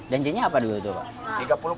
dan jenisnya apa dulu itu pak